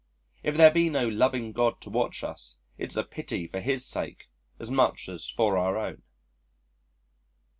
If there be no loving God to watch us, it's a pity for His sake as much as for our own.